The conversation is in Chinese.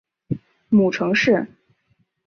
母程氏。